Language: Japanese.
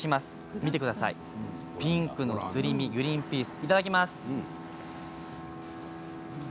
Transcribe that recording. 見てください、ピンクのすり身グリンピース、いただきます。